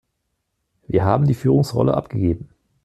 Wir haben die Führungsrolle abgegeben.